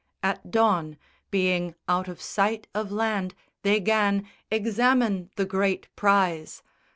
At dawn, being out of sight of land, they 'gan Examine the great prize.